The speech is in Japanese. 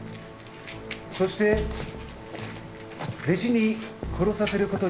そして弟子に殺させることによって